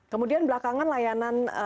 kemudian belakangan layanan